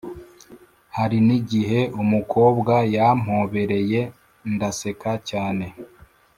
Harinigihe umukobwa yampobereye ndaseka cyane